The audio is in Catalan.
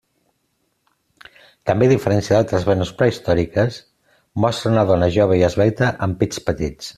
També, a diferència d'altres Venus prehistòriques, mostra una dona jove i esvelta amb pits petits.